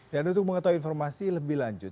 dan untuk mengetahui informasi lebih lanjut